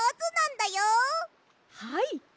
はい！